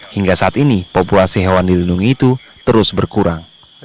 hingga saat ini populasi hewan dilindung itu terus berkurang